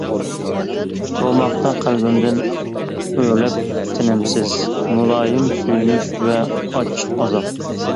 تۇرماقتا قەلبىمدىن ئۆرلەپ تىنىمسىز مۇلايىم سۆيۈنۈش ۋە ئاچچىق ئازاب.